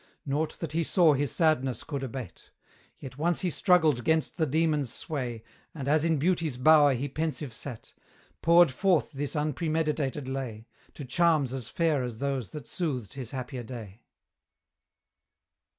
Nought that he saw his sadness could abate: Yet once he struggled 'gainst the demon's sway, And as in Beauty's bower he pensive sate, Poured forth this unpremeditated lay, To charms as fair as those that soothed his happier day.